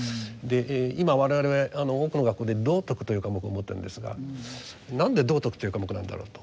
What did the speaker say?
今我々多くの学校で「道徳」という科目を持っているんですが何で道徳という科目なんだろうと。